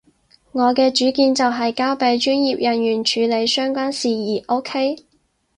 我嘅主見就係交畀專業人員處理相關事宜，OK？